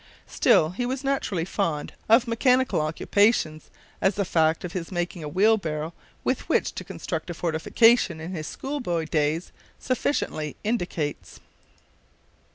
Still he was naturally fond of mechanical occupations, as the fact of his making a wheelbarrow with which to construct a fortification, in his schoolboy days, sufficiently indicates.